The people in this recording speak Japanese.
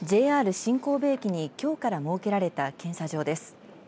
新神戸駅にきょうから設けられた検査場です。